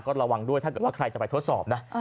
ก็ระวังด้วยถ้าเกิดว่าใครจะไปทดสอบนะ